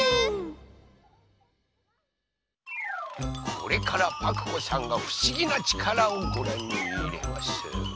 これからパクこさんがふしぎなちからをごらんにいれます。